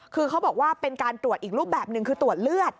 คือเขาบอกว่าเป็นการตรวจอีกรูปแบบหนึ่งคือตรวจเลือด